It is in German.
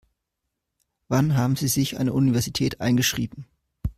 Wann haben Sie sich an der Universität eingeschrieben?